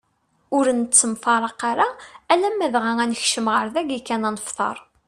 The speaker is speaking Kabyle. Ur nettemfraq ara alamm dɣa ad nekcem ɣer dagi kan ad nefteṛ.